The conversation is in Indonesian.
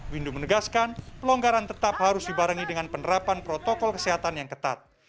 windu menegaskan pelonggaran tetap harus dibarengi dengan penerapan protokol kesehatan yang ketat